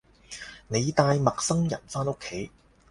你帶陌生人返屋企